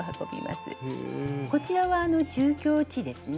こちらは住居地ですね。